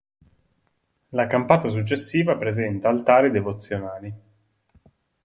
La campata successiva presenta altari devozionali.